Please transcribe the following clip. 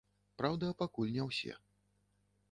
Праўда, пакуль не ўсе.